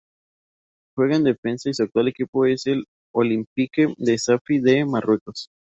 Juega de defensa y su actual equipo es el Olympique de Safi de Marruecos.